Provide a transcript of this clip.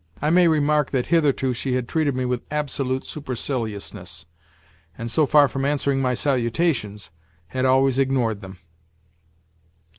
I may remark that hitherto she had treated me with absolute superciliousness, and, so far from answering my salutations, had always ignored them.